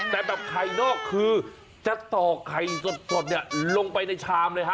แต่แบบไข่นอกคือจะตอกไข่สดลงไปในชาวเลย